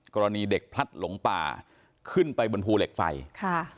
กรณีเด็กพลัดหลงป่าขึ้นไปบนภูเหล็กไฟค่ะ